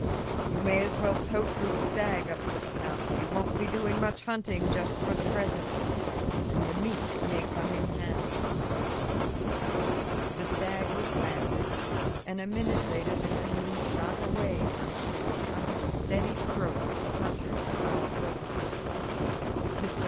You may as well tote this stag up to the house. You won't be doing much hunting just for the present, and the meat may come in handy." The stag was landed, and a minute later the canoe shot away from shore under the steady stroke of the hunter's powerful arms. Mr.